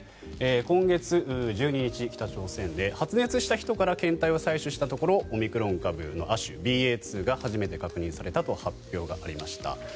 今月１２日、北朝鮮で発熱した人から検体を採取したところオミクロン株の亜種ＢＡ．２が初めて確認されたと発表がありました。